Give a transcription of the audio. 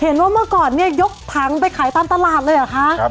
เห็นว่าเมื่อก่อนเนี่ยยกทางไปขายตามตลาดเลยหรือคะ